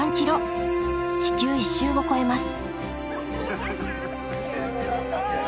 地球一周を超えます。